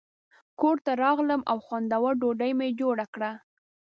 کور ته راغلم او خوندوره ډوډۍ مې جوړه کړه.